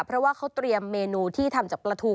เพราะว่าเขาเตรียมเมนูที่ทำจากปลาทู